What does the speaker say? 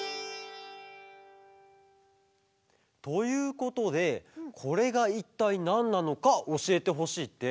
ということでこれがいったいなんなのかおしえてほしいって。